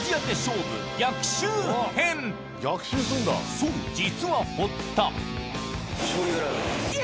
そう実は堀田え！